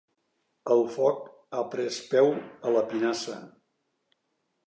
El foc ha pres peu a la pinassa.